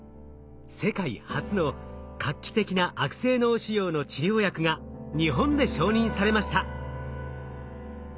世界初の画期的な悪性脳腫瘍の治療薬が日本で承認されました。